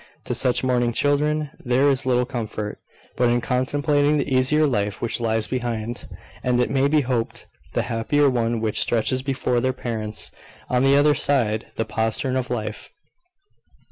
To such mourning children there is little comfort, but in contemplating the easier life which lies behind, and (it may be hoped) the happier one which stretches before their parents, on the other side the postern of life.